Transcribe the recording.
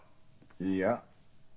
いいや。